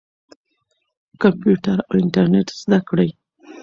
کمپیوټر او انټرنیټ زده کړئ.